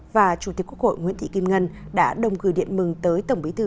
và chủ tịch quốc hội nguyễn thị kim ngân đã đồng gửi điện mừng tới tổng bí thư